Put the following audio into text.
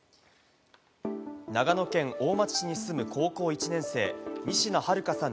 長野県大町市に住む高校１年生、仁科日花さん